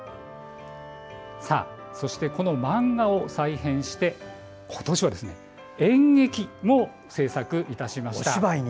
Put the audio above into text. そしてこの漫画を再編して今年は演劇も制作いたしました。